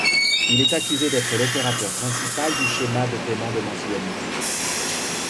Il est accusé d'être l'opérateur principal du schéma de paiement de mensualités.